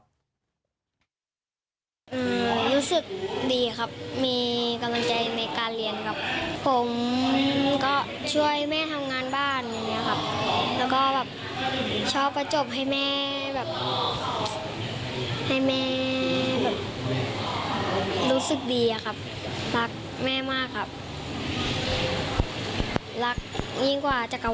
รู้สึกดีครับมีกำลังใจในการเรียนแบบผมก็ช่วยแม่ทำงานบ้านอย่างเงี้ยครับแล้วก็แบบชอบประจบให้แม่แบบให้แม่แบบรู้สึกดีอะครับรักแม่มากครับรักยิ่งกว่าจักร